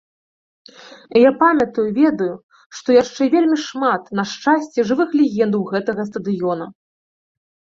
І я памятаю, ведаю, што яшчэ вельмі шмат, на шчасце, жывых легендаў гэтага стадыёна.